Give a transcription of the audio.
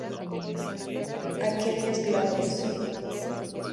Aquenios glabros.